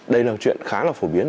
đây là một chuyện khá là phổ biến